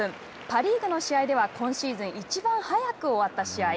パ・リーグの試合では今シーズンいちばん早く終わった試合。